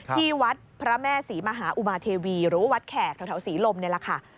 ที่วัดพระแม่ศรีมหาอุมาเทวีหรือว่าวัดแขกแถวศรีลมนี่แหละค่ะ